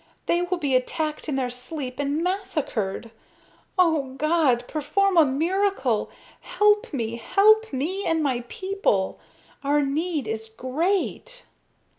They will be attacked in their sleep and massacred. O God, perform a miracle, help me, help me and my people. Our need is great!"